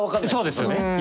そうですよね。